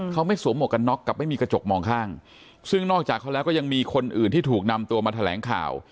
เขาไม่สวมหมวกกันน็อกกับไม่มีกระจกมองข้างซึ่งนอกจากเขาแล้วก็ยังมีคนอื่นที่ถูกนำตัวมาแถลงข่าว